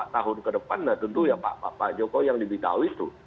lima tahun ke depan tentu ya pak jokowi yang lebih tahu itu